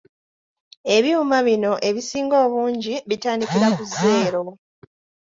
Ebyuma bino ebisinga obungi bitandikira ku zeero.